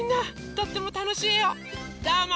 とってもたのしいえをどうも。